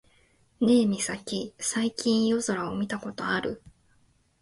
ねえミサキ、最近夜空を見たことある？